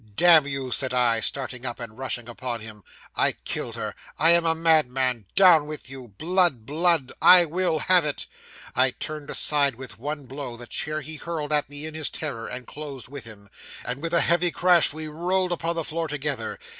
'"Damn you," said I, starting up, and rushing upon him; "I killed her. I am a madman. Down with you. Blood, blood! I will have it!" 'I turned aside with one blow the chair he hurled at me in his terror, and closed with him; and with a heavy crash we rolled upon the floor together.